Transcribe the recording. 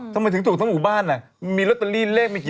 พระยาปลวก